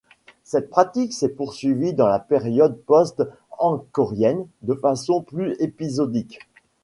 Cette pratique s’est poursuivie dans la période post angkorienne de façon plus épisodique.